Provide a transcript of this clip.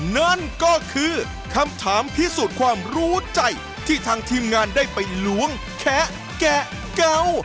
นั่นก็คือคำถามพิสูจน์ความรู้ใจที่ทางทีมงานได้ไปล้วงแคะแกะเก่า